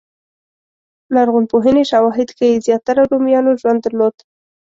لرغونپوهنې شواهد ښيي زیاتره رومیانو ژوند درلود.